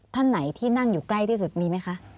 ท่านไหนที่นั่งอยู่ใกล้ที่สุดมีไหมคะ